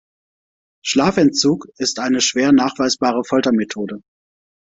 Schlafentzug ist eine schwer nachweisbare Foltermethode.